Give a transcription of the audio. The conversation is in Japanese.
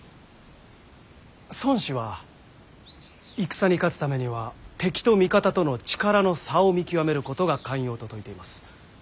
孫子は戦に勝つためには敵と味方との力の差を見極めることが肝要と説いています。